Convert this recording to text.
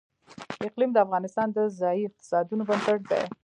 اقلیم د افغانستان د ځایي اقتصادونو بنسټ دی.